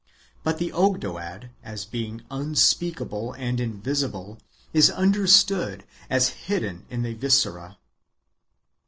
^ Bat the Ogdoad, as being unspeakable and invisible, is under stood as hidden in the viscera.